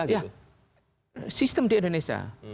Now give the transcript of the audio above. ya sistem di indonesia